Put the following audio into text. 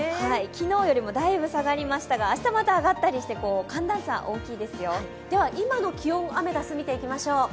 昨日よりもだいぶ下がりましたが、明日またあがったりしてでは今の気温、アメダス見ていきましょう。